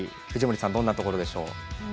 藤森さん、どんなところでしょう。